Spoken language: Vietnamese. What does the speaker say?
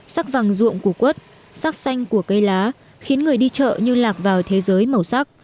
sắc vàng ruộng của quất sắc xanh của cây lá khiến người đi chợ như lạc vào thế giới màu sắc